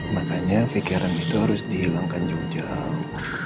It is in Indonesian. makanya pikiran itu harus dihilangkan jauh jauh